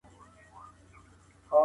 کله بې کاري د ټولني ستونزه جوړیږي؟